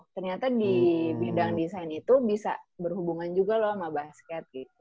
ternyata di bidang desain itu bisa berhubungan juga loh sama basket gitu